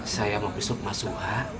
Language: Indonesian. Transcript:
saya mau besok mas suha